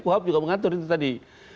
kuhap juga mengatur itu tadi